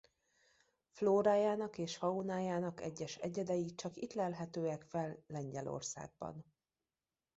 Flórájának és faunájának egyes egyedei csak itt lelhetőek fel Lengyelországban.